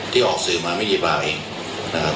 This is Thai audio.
มีมั้ยมีมีมั้ยในส่วนนี้เรารูปมือไม่ได้สมนวนแล้วครับ